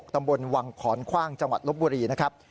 ตำรวจสพโคกสำโปรงจังหวัดลบบุรีนะครับ